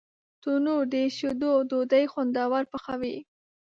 تنور د شیدو ډوډۍ خوندور پخوي